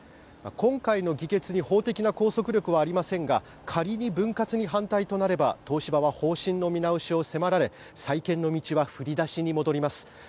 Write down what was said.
今回の議決に法的な拘束力はありませんが仮に分割に反対となれば東芝は方針の見直しを迫られ再建の道は振り出しに戻ります。